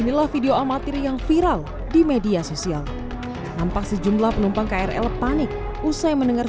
inilah video amatir yang viral di media sosial nampak sejumlah penumpang krl panik usai mendengar